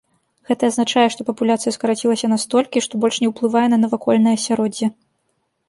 Гэта азначае, што папуляцыя скарацілася настолькі, што больш не ўплывае на навакольнае асяроддзе.